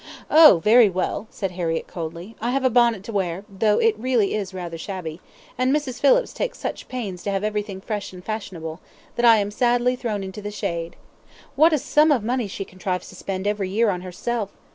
"Oh! very well," said Harriett, coldly; "I have a bonnet to wear, though it really is rather shabby; and Mrs. Phillips takes such pains to have everything fresh and fashionable, that I am sadly thrown into the shade. What a sum of money she contrives to spend every year on herself!